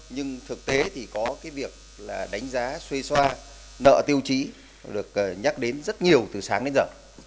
nhưng thực tế thì có cái việc là đánh giá xuê xoa nợ tiêu chí được nhắc đến rất nhiều từ sáng đến giờ